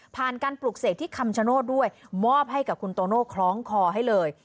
การปลูกเสกที่คำชโนธด้วยมอบให้กับคุณโตโน่คล้องคอให้เลย